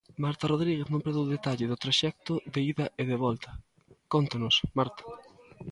Marta Rodríguez non perdeu detalle do traxecto de ida e de volta, cóntanos, Marta...